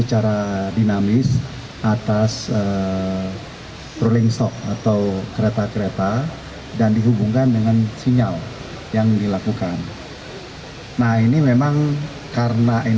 bagaimana perjalanan dari lrt ke jakarta